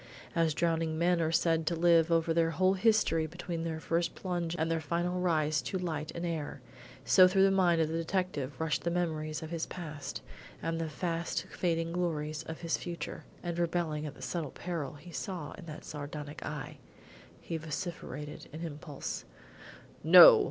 As drowning men are said to live over their whole history between their first plunge and their final rise to light and air, so through the mind of the detective rushed the memories of his past and the fast fading glories of his future; and rebelling at the subtle peril he saw in that sardonic eye, he vociferated an impulsive: "No!